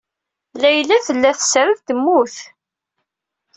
Layla tella tesred, temmut.